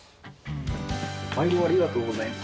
まいどありがとうございます。